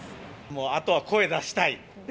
もうあとは声出したい。